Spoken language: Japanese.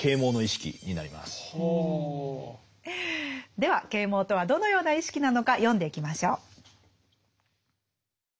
では啓蒙とはどのような意識なのか読んでいきましょう。